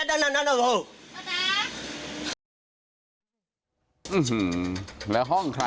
ที่ลากเขา